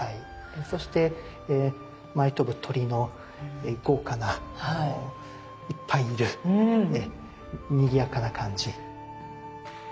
そして舞い飛ぶ鳥の豪華ないっぱいいるにぎやかな感じ。